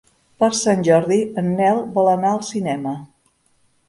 Per Sant Jordi en Nel vol anar al cinema.